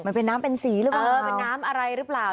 มันเป็นน้ำเป็นสีหรือเปล่าเออเป็นน้ำอะไรหรือเปล่า